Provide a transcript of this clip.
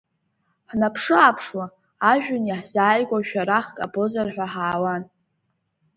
Ҳнаԥшы-ааԥшуа, амҩан иаҳзааигәо шәарахк аабозар ҳәа, ҳаауан.